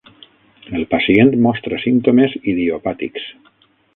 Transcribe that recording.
El pacient mostra símptomes idiopàtics.